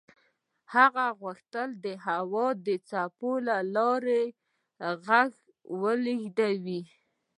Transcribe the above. هغه غوښتل د هوا د څپو له لارې غږ ولېږدوي.